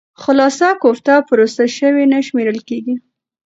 خالصه کوفته پروسس شوې نه شمېرل کېږي.